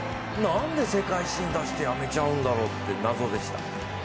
なんで世界新出して辞めちゃうんだろうって謎でした。